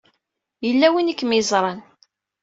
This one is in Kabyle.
Yella win ay kem-yeẓran.